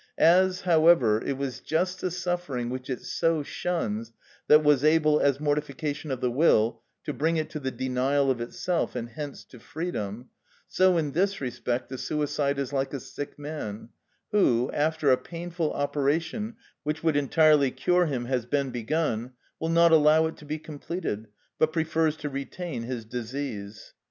As, however, it was just the suffering which it so shuns that was able, as mortification of the will, to bring it to the denial of itself, and hence to freedom, so in this respect the suicide is like a sick man, who, after a painful operation which would entirely cure him has been begun, will not allow it to be completed, but prefers to retain his disease.